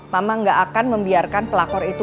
mama nggak akan membiarkan pelakor itu